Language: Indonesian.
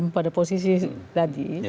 pada posisi tadi